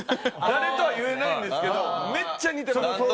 誰とは言えないんですけどめっちゃ似てる。